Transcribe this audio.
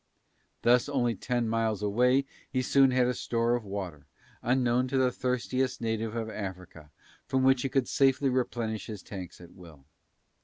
Thus only ten miles away he soon had a store of water, unknown to the thirstiest native of Africa, from which he could safely replenish his tanks at will.